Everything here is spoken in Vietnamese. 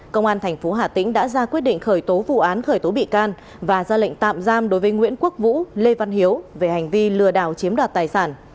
công an tp hà tĩnh đã ra quyết định khởi tố vụ án khởi tố bị can và ra lệnh tạm giam đối với nguyễn quốc vũ lê văn hiếu về hành vi lừa đảo chiếm đoạt tài sản